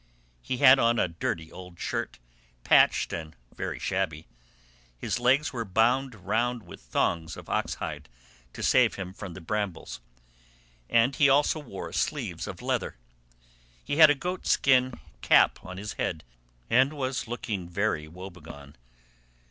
He had on a dirty old shirt, patched and very shabby; his legs were bound round with thongs of oxhide to save him from the brambles, and he also wore sleeves of leather; he had a goat skin cap on his head, and was looking very woe begone.